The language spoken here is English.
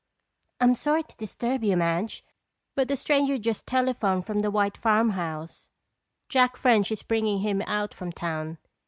"I'm sorry to disturb you, Madge, but a stranger just telephoned from the White farmhouse. Jack French is bringing him out from town.